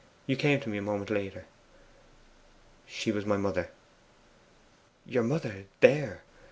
You came to me a moment later.' 'She was my mother.' 'Your mother THERE!